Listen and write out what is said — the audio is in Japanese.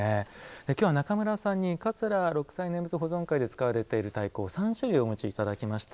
今日は中村さんに桂六斎念仏保存会で使われている太鼓を３種類、お持ちいただきました。